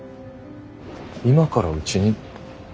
今からうちに？